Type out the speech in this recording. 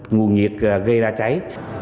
nguồn nhiệt gây ra cháy